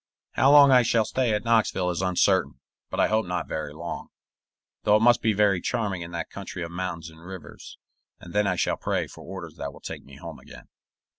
How long I shall stay at Knoxville is uncertain, but I hope not very long though it must be very charming in that country of mountains and rivers and then I shall pray for orders that will take me home again.